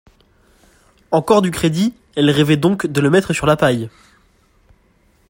Encore du crédit, elles rêvaient donc de le mettre sur la paille?